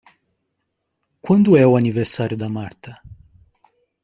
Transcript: Quando é o aniversário da Marta?